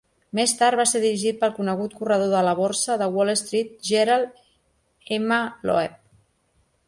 Més tard, va ser dirigit pel conegut corredor de la borsa de Wall Street, Gerald M. Loeb.